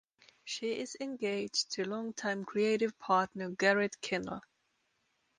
She is engaged to longtime creative partner Garrett Kennell.